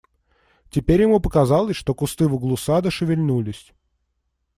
Теперь ему показалось, что кусты в углу сада шевельнулись.